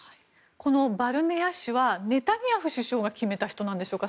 このバルネア氏はネタニヤフ首相が決めた人なんでしょうか？